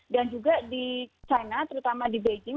dan juga di china terutama di beijing